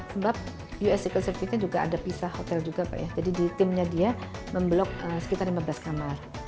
sebab us secret service nya juga ada pisah hotel juga jadi di timnya dia memblok sekitar lima belas kamar